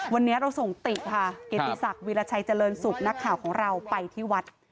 วันนี้เราส่งติค่ะเกติศักดิราชัยเจริญสุขนักข่าวของเราไปที่วัด